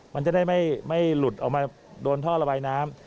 มันจะได้ไม่หลุดออกมาโดนท่อระบายน้ำ